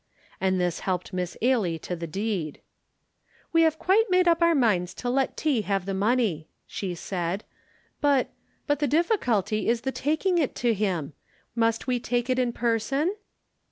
and this helped Miss Ailie to the deed. "We have quite made up our minds to let T. have the money," she said, "but but the difficulty is the taking it to him. Must we take it in person?"